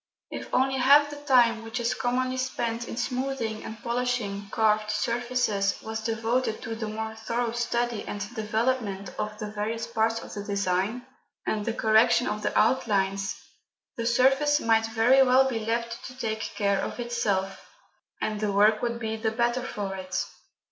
If only half the time which is commonly spent in smoothing and polishing carved surfaces was devoted to the more thorough study and development of the various parts of the design, and the correction of the outlines, the surface might very well be left to take care of itself, and the work would be the better for it.